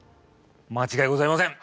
間違いございません。